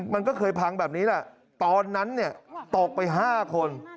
มันก็เคยพังแบบนี้แหละตอนนั้นเนี่ยตกไป๕คน